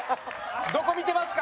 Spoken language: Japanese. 「どこ見てますか？」